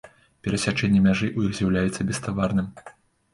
Перасячэнне мяжы ў іх з'яўляецца беставарным.